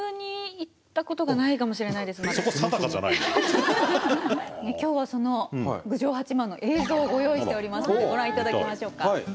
もしかしたら今日はその郡上八幡の映像をご用意しておりますのでご覧いただきましょうか。